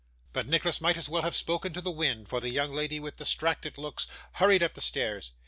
But Nicholas might as well have spoken to the wind, for the young lady, with distracted looks, hurried up the stairs.